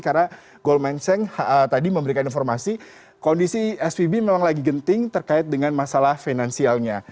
karena goldman shanks tadi memberikan informasi kondisi svb memang lagi genting terkait dengan masalah finansialnya